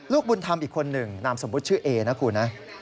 บุญธรรมอีกคนหนึ่งนามสมมุติชื่อเอนะคุณนะ